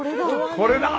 これだ！